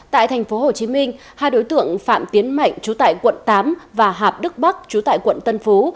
tại tp hcm hai đối tượng phạm tiến mạnh trú tại quận tám và hạp đức bắc trú tại quận tân phú